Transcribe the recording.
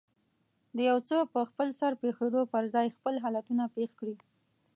د يو څه په خپلسر پېښېدو پر ځای خپل حالتونه پېښ کړي.